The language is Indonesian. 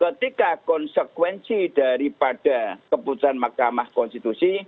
ketika konsekuensi daripada keputusan mahkamah konstitusi